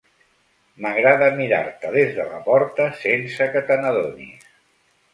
M'agrada mirar-te des de la porta sense que te n'adonis.